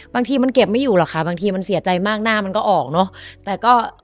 บางทีมันเก็บไม่อยู่หรอกค่ะบางทีมันเสียใจมากหน้ามันก็ออกเนอะแต่ก็